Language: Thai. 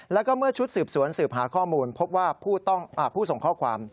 แล้วก็เมื่อชุดสืบสวนสืบหาข้อมูลพบว่าผู้ส่งข้อความ